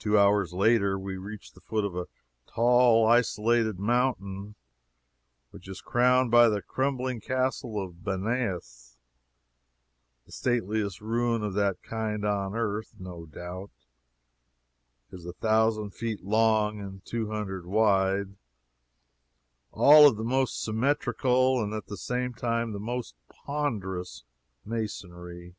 Two hours later we reached the foot of a tall isolated mountain, which is crowned by the crumbling castle of Banias, the stateliest ruin of that kind on earth, no doubt. It is a thousand feet long and two hundred wide, all of the most symmetrical, and at the same time the most ponderous masonry.